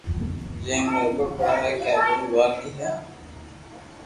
جي مون زبر پڙي ھي آ ٻولي لوھارڪي ھي